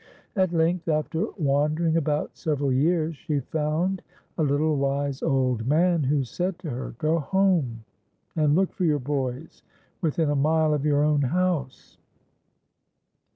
At length, after wandering about several )ears, she found a little wise old man, who said to her: " Go home and look for your boys within a mile of your own house."